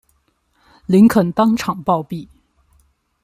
林肯当场暴毙。